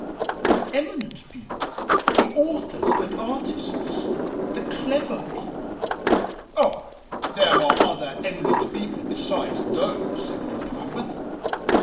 "The eminent people the authors and artists the clever people." "Oh, there are other eminent people besides those," said Lord Lambeth.